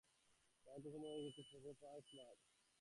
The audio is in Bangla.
ভাগ্যক্রমে হয়ে গেছি, পর পর পাঁচ বার!